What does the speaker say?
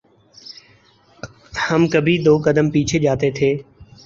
ہم کبھی دو قدم پیچھے جاتے تھے۔